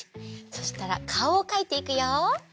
そしたらかおをかいていくよ！